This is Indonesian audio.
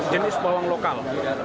jenis bawang lokal